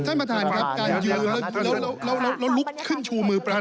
ท่านประธานครับการยืนแล้วลุกขึ้นชูมือปราบ